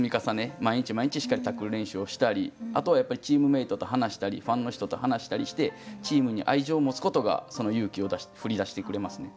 毎日毎日しっかりタックル練習をしたりあとはやっぱりチームメートと話したりファンの人と話したりしてチームに愛情を持つことがその勇気を振り出してくれますね。